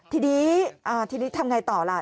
ทีนี้ทำไงต่อล่ะ